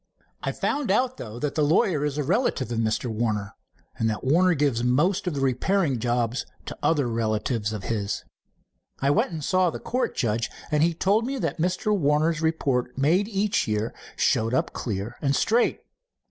I found out, though, that the lawyer is a relative of Mr. Warner, and that Warner gives most of the repairing jobs to other relatives of his. I went and saw the court judge, and he told me that Mr. Warner's report, made each year, showed up clear and straight."